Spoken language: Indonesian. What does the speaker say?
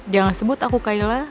jangan sebut aku kayla